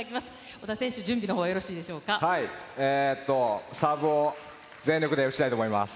小田選手、準備のほうはよろしいはい、サーブを全力で打ちたいと思います。